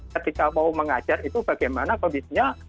ketika mau mengajar itu bagaimana kondisinya